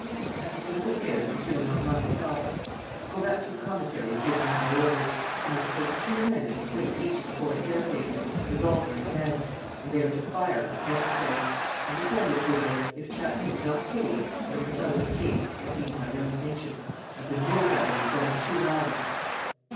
At the foot of the stairs M. Lenormand stopped: "Go back to the commissary and give him my orders: he must post two men at the foot of each of the four staircases, revolver in hand. And they are to fire, if necessary. Understand this, Gourel: if Chapman is not saved and if the fellow escapes, it means my resignation. I've been wool gathering for over two hours."